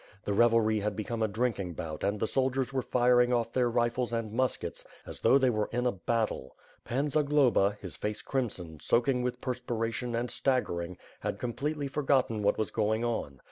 The revelry had become a drinking bout and the soldiers were firing off their rifles and muskets, as though they were in a battle. Pan Zagloba, his face crimson, soaking with perspira tion and staggering, had completely forgotten what was going on.